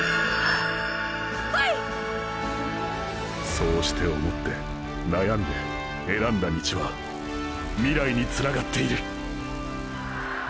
そうして思って悩んで選んだ道は未来につながっている！！